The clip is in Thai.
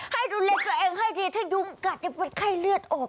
ให้ดูแลตัวเองให้ดีถ้ายุงกัดจะเป็นไข้เลือดออก